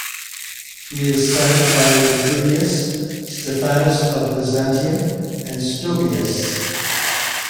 He is cited by Vitruvius, Stephanus of Byzantium and Stobaeus.